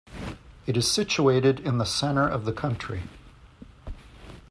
It is situated in the center of the country.